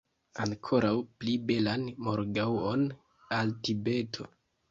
Ankoraŭ pli belan morgaŭon al Tibeto!